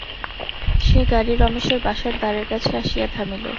সে গাড়ি রমেশের বাসার দ্বারের কাছে আসিয়া থামিল।